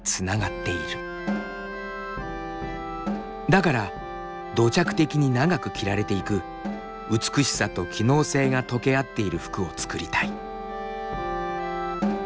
だから土着的に長く着られていく美しさと機能性が溶け合っている服を作りたい。